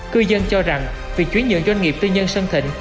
cư dân cho rằng việc chuyển nhượng doanh nghiệp tư nhân sơn thịnh